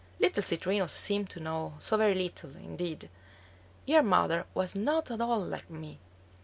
Little Citrinus seemed to know so very little, indeed. "Your mother was not at all like me.